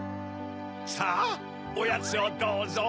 さぁおやつをどうぞ。